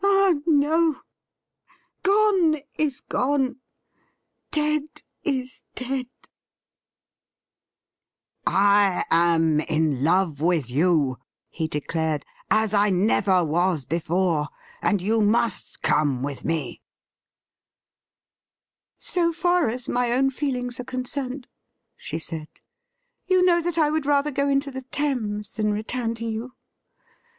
Ah, no ! Gone is gone ; dead is dead !'' I am in love with you,' he declared, ' as I never was before, and you must come with me.' ' So far as my own feelings are concerned,' she said, ' you know that I would rather go into the Thames than return to you.